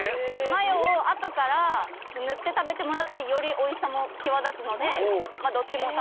マヨをあとから塗って食べてもらったらより美味しさも際立つのでどっちも楽しんでください。